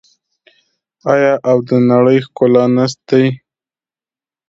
آیا او د نړۍ ښکلا نه دي؟